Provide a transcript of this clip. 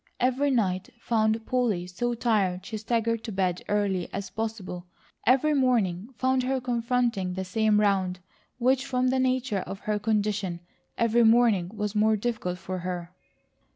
Every night found Polly so tired she staggered to bed early as possible; every morning found her confronting the same round, which from the nature of her condition every morning was more difficult for her.